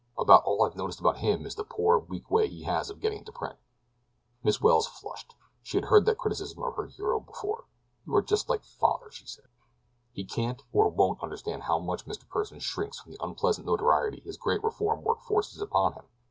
About all I've noticed about him is the poor, weak way he has of getting into print." Miss Welles flushed. She had heard that criticism of her hero before. "You are just like father," she said. "He can't, or won't understand how much Mr. Pursen shrinks from the unpleasant notoriety his great reform work forces upon him.